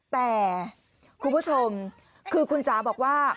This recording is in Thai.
แต่คุณผู้ชมคือคุณจ๋าบอกว่า